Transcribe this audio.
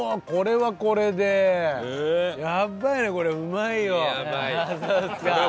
これはこれでうまい。